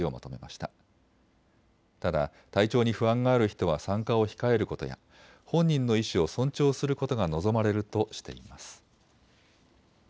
ただ体調に不安がある人は参加を控えることや本人の意思を尊重することが望まれるとしています。